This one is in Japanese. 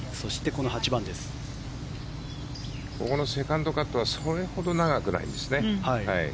ここのセカンドカットはそれほど長くないんですね。